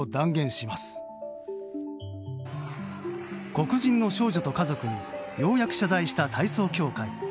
黒人の少女と家族にようやく謝罪した体操協会。